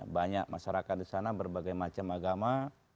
banyak masyarakat disana berbagai macam agama